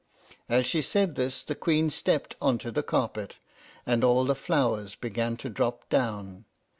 As she said this the Queen stepped on to the carpet, and all the flowers began to drop down.